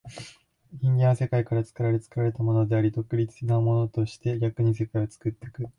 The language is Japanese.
人間は世界から作られ、作られたものでありながら独立なものとして、逆に世界を作ってゆく。